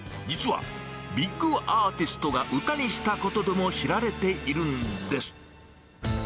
実は、ビッグアーティストが歌にしたことでも知られているんです。